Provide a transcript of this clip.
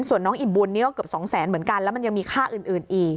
ส่วนน้องอิ่มบุญนี่ก็เกือบสองแสนเหมือนกันแล้วมันยังมีค่าอื่นอีก